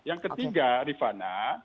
yang ketiga rifana